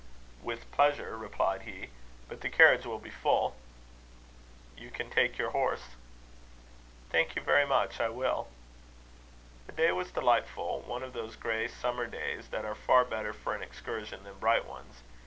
"With pleasure," replied he; "but the carriage will be full." "You can take your horse." "Thank you very much. I will." The day was delightful; one of those grey summer days, that are far better for an excursion than bright ones.